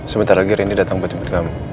sebentar lagi rini datang buat imut kamu